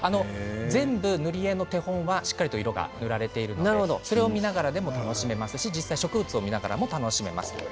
全部、塗り絵の手本はしっかりと色が塗られているのでそれを見ながら楽しめますし実際に植物を見ながらも楽しめます。